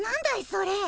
それ。